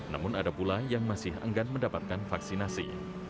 namun ada pula yang masih enggan mendapatkan vaksinasi